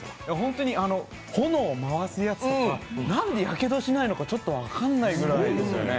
炎を回すやつとか何でやけどしないのかちょっと分からないぐらいですよね。